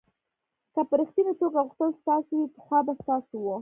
که په ریښتني توګه غوښتل ستاسو وي پخوا به ستاسو و.